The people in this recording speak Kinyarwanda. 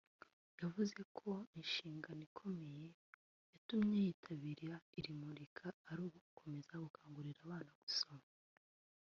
yavuze ko inshingano ikomeye yatumye yitabira iri murika ari ugukomeza gukangurira abana gusoma